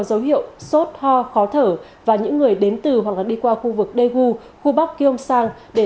dấu hiệu sốt ho khó thở và những người đến từ hoặc đi qua khu vực daegu khu bắc gyongsang để